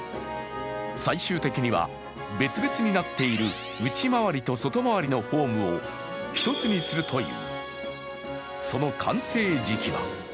最終的には別々になっている内回りと外回りのホームを一つにするという。